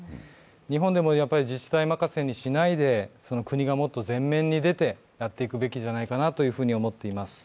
日本でも自治体任せにしないで、国がもっと前面に出てやっていくべきじゃないかなと思っています。